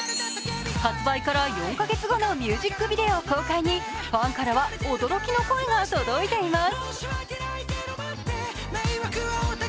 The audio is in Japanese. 発売から４カ月後のミュージックビデオ公開にファンからは驚きの声が届いています。